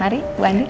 mari bu andien pak